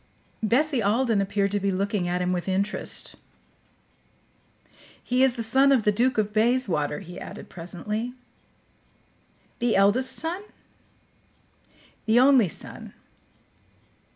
Bessie Alden appeared to be looking at him with interest. "He is the son of the Duke of Bayswater," he added presently. "The eldest son?" "The only son."